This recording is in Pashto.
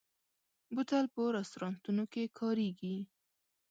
بوتل په رستورانتونو کې کارېږي.